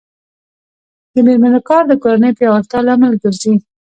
د میرمنو کار د کورنۍ پیاوړتیا لامل ګرځي.